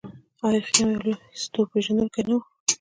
آیا خیام یو لوی ستورپیژندونکی نه و؟